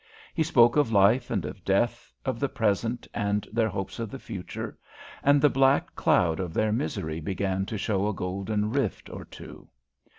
He spoke of life and of death, of the present, and their hopes of the future; and the black cloud of their misery began to show a golden rift or two.